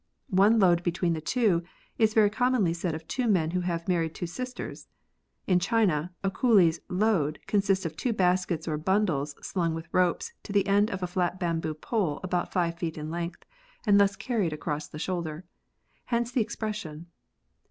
One load hetiveen the tivo, is very commonly said of two men who have married two sisters. In China, a coolie's ''load" consists of two baskets or bundles slung with ropes to the end of a flat bamboo pole about five feet in length, and thus carried across the shoulder. Hence the ex pression.